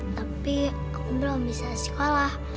tapi belum bisa sekolah